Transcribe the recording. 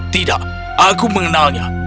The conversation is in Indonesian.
tidak aku mengenalnya